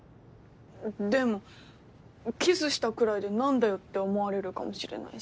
でもキスしたくらいで何だよって思われるかもしれないし。